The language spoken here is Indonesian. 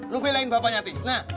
lu pilih bapaknya tisna